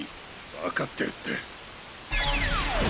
わかってるって。